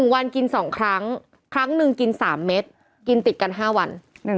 วันกิน๒ครั้งครั้งหนึ่งกิน๓เม็ดกินติดกัน๕วัน